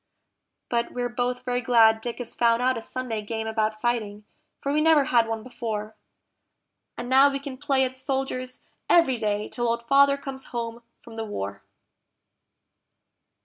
But we're both very glad Dick has found out a Sunday game about fighting, for we never had one before; And now we can play at soldiers every day till Old Father comes home from the war.